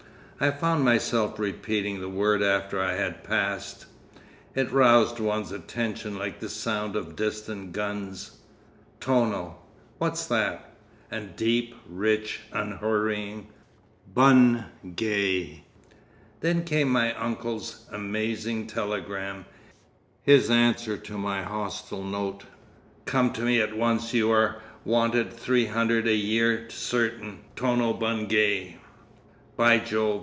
I found myself repeating the word after I had passed; it roused one's attention like the sound of distant guns. "Tono"—what's that? and deep, rich, unhurrying;—"bun—gay!" Then came my uncle's amazing telegram, his answer to my hostile note: "Come to me at once you are wanted three hundred a year certain tono bungay." "By Jove!"